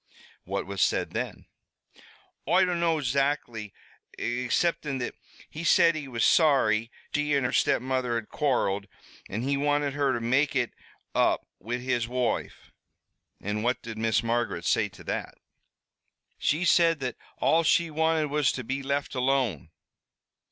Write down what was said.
"What was said then?" "Oi dunno exactly, exceptin' that he said he was sorry she an' her stepmother had quarreled, an' he wanted her to make it up wid his woife." "And what did Miss Margaret say to that?" "She said that all she wanted was to be left alone."